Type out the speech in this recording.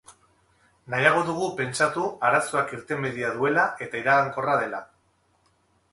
Nahiago dugu pentsatu arazoak irtenbidea duela eta iragankorra dela.